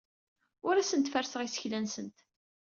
Ur asent-ferrseɣ isekla-nsent.